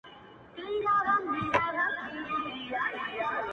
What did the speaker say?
o ایبنه دي نه کړمه بنګړی دي نه کړم,